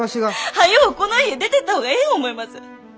早うこの家出てった方がええ思います！